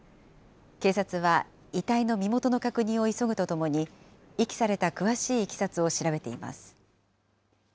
警察は、遺体の身元の確認を急ぐとともに、遺棄された詳しいいきさつを調べています。